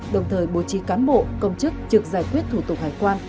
đồng thời bố trí cán bộ công chức trực giải quyết thủ tục hải quan